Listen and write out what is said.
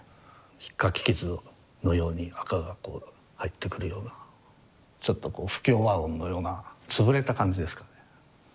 ひっかき傷のように赤がこう入ってくるようなちょっとこう不協和音のような潰れた感じですかね。